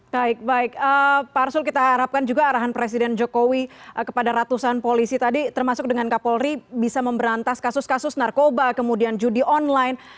baik baik pak arsul kita harapkan juga arahan presiden jokowi kepada ratusan polisi tadi termasuk dengan kapolri bisa memberantas kasus kasus narkoba kemudian judi online